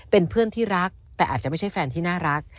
เป็นเพื่อนที่รักแต่อาจจะไม่ใช่แฟนที่น่ารัก